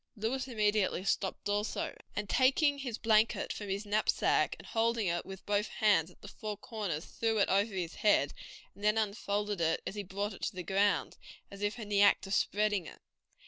Lewis immediately stopped also, and taking his blanket from his knapsack, and holding it with both hands at the four corners threw it above his head and then unfolded it as he brought it to the ground, as if in the act of spreading it.